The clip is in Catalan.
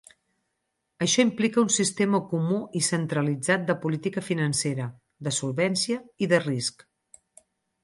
Això implica un sistema comú i centralitzat de política financera, de solvència i de risc.